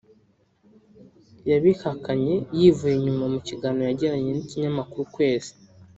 yabihakanye yivuye inyuma mu kiganiro yagiranye n’ikinyamakuru Ukwezi